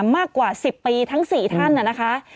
มากกว่า๑๐ปีทั้ง๔ท่านนะคะ